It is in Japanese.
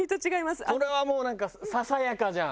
これはもうなんかささやかじゃん。